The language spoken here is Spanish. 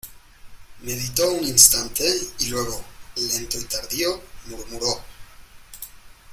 meditó un instante, y luego , lento y tardío , murmuró: